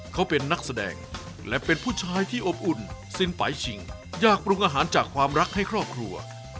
เขาเป็นนักแสดงและเป็นผู้ชายที่อบอุ่นสินปลายชิงอยากปรุงอาหารจากความรักให้ครอบครัว